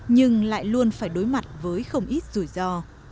nhưng lại luôn phải đối mặt với không ít rủi ro